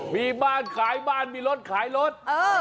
มีบ้านขายบ้านมีรถขายรถ